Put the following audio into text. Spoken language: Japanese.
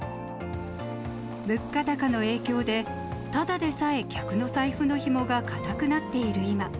物価高の影響で、ただでさえ客の財布のひもが固くなっている今。